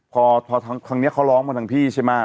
พอครั้งนี้เขาร้องกับทางพี่ใช่ไหม